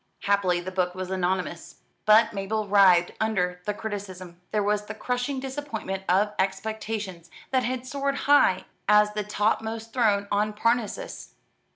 Happily the book was anonymous: but Mabel writhed under the criticism. There was the crushing disappointment of expectations that had soared high as the topmost throne on Parnassus.